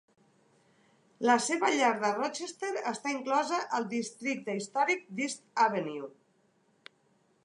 La seva llar de Rochester està inclosa al districte històric d'East Avenue.